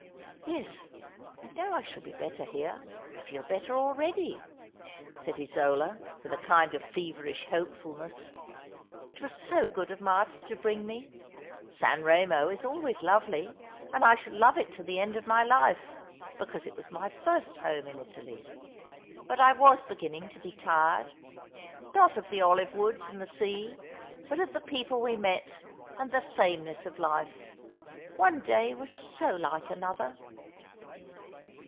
" Yes, I know I shall be better here. I feel better already,*' said Isola, with a kind of feverish hopefulness. " It was so good of Martin to bring me. San Remo is always lovely — and I shall love it to the end of my life, because it was my first home in Italy — but I was beginning to be tired — not of the olive woods and the sea, but of the people we met, and the sameness of life. One day was so like another."